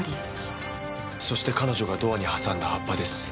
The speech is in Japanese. そして彼女がドアに挟んだ葉っぱです。